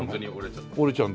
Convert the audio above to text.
折れちゃう。